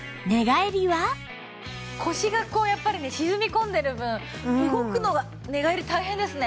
腰がこうやっぱりね沈み込んでる分動くのが寝返り大変ですね。